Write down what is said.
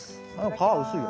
皮薄いよ。